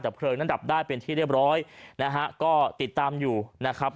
แต่เพลิงนั้นดับได้เป็นที่เรียบร้อยนะฮะก็ติดตามอยู่นะครับ